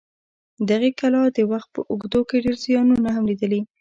دغې کلا د وخت په اوږدو کې ډېر زیانونه هم لیدلي.